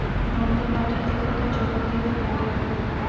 নন্দ হঠাৎ একথার জবাব দিতে পারিল না।